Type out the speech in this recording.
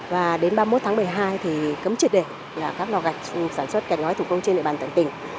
và đến ba mươi một tháng một mươi hai cấm triệt để các lò gạch sản xuất gạch gói thủ công trên địa bàn thành tỉnh